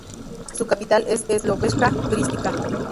Su capital es Slovenska Bistrica.